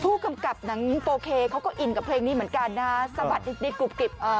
ผู้กำกับหนังโปรแฟเขาก็อินกับเพลงนี้เหมือนกันนะสะบัดดิกริบ